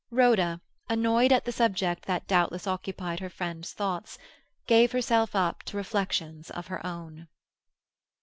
Rhoda, annoyed at the subject that doubtless occupied her friend's thoughts, gave herself up to reflections of her own.